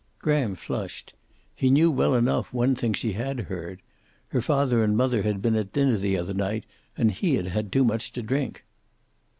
Graham flushed. He knew well enough one thing she had heard. Her father and mother had been at dinner the other night, and he had had too much to drink.